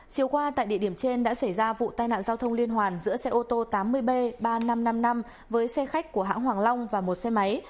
chiều qua tại địa điểm trên đã xảy ra vụ tai nạn giao thông liên hoàn giữa xe ô tô tám mươi b ba nghìn năm trăm năm mươi năm với xe khách của hãng hoàng long và một xe máy